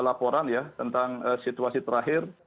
laporan ya tentang situasi terakhir